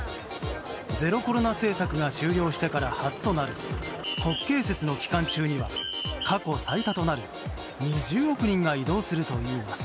ゼロコロナ政策が終了してから初となる国慶節の期間中には過去最多となる２０億人が移動するといいます。